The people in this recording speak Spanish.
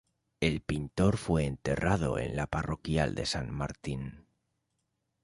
El pintor fue enterrado en la parroquial de San Martín.